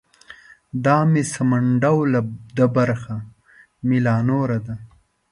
دا مې سمنډوله ده برخه مې لا نوره ده.